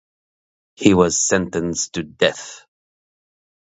He was sentenced to death.